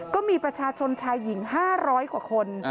ก็มีประชาชนชายหญิง๕๐๐กว่าคน